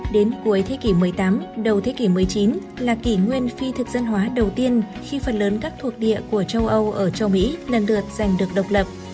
đến cuối thế kỷ một mươi tám đầu thế kỷ một mươi chín là kỷ nguyên phi thực dân hóa đầu tiên khi phần lớn các thuộc địa của châu âu ở châu mỹ lần lượt giành được độc lập